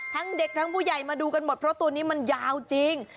ทั้งเด็กทั้งผู้ใหญ่มาดูกันหมดเพราะตัวนี้มันยาวจริง